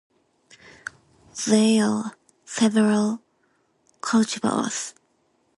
There are several cultivars.